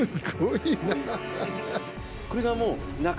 これがもう中。